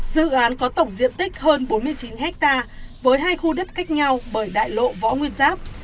dự án có tổng diện tích hơn bốn mươi chín ha với hai khu đất cách nhau bởi đại lộ võ nguyên giáp